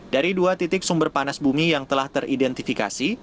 dari dua titik sumber panas bumi yang telah teridentifikasi